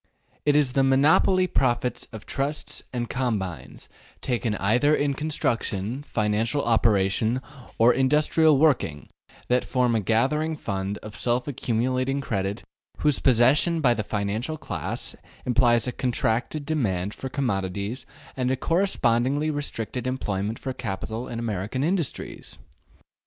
It is the ``monopoly'' profits of trusts and combines, taken either in construction, financial operation, or industrial working, that form a gathering fund of self accumulating credit whose possession by the financial class implies a contracted demand for commodities and a correspondingly restricted employment for capital in American industries.